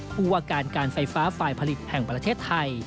ผู้ว่าการการไฟฟ้าฝ่ายผลิตแห่งประเทศไทย